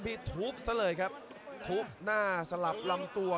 ทีมซ้ายอีกแล้ว